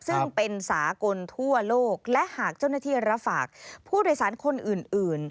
ซึ่งเป็นสากลทั่วโลกและหากเจ้าหน้าที่รับฝากผู้โดยสารคนอื่น